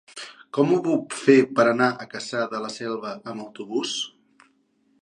Com ho puc fer per anar a Cassà de la Selva amb autobús?